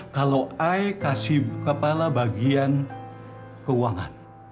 kalau ai kasih kepala bagian keuangan